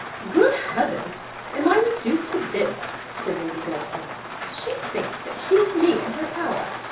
"Good Heavens! am I reduced to this?" said Lady Delacour: "she thinks that she has me in her power.